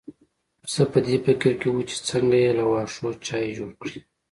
پسه په دې فکر کې و چې څنګه بې له واښو چای جوړ کړي.